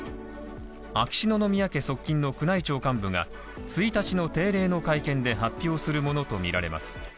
秋篠宮家側近の宮内庁幹部が１日の定例の会見で発表するものとみられます。